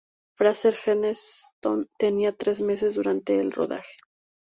Fraser Heston tenía tres meses durante el rodaje.